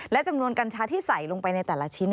และจำนวนกัญชาที่ใส่ลงไปในแต่ละชิ้น